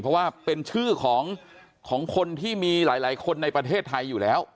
เพราะว่าเป็นชื่อของคนที่มีหลายคนในประเทศไทยอยู่แล้ว